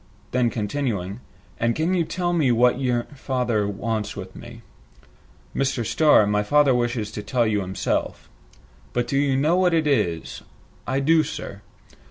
Then, continuing, "And can you tell me what you father wants with me?" "Mr. Starr, my father wishes to tell you himself." "But you know what it is?" "I do, sir."